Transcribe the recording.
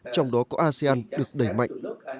trong đó có asean được đẩy mạnh